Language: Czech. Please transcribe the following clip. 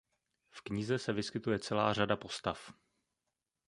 V knize se vyskytuje celá řada postav.